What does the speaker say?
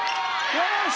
よし！